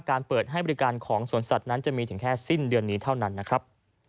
เปิดให้บริการของสวนสัตว์นั้นจะมีถึงแค่สิ้นเดือนนี้เท่านั้นนะครับ